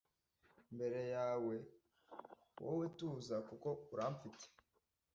mbere yawe wowe tuza kuko uramfite